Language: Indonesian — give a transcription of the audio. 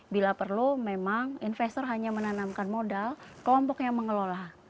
bila perlu memang investor hanya menanamkan modal kelompoknya mengelola